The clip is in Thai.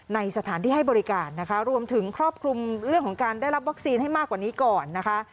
ในสถานที่ให้บริการนะคะรวมถึงครอบคลุมเรื่องของการได้รับวัคซีนให้มากกว่านี้ก่อนนะคะ